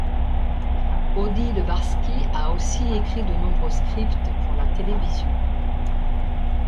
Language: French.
Odile Barski a aussi écrit de nombreux scripts pour la télévision.